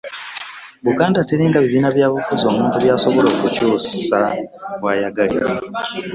Buganda teeinga bibiina bya bufuzi omuntu by'asobola okukyusa w'ayagalidde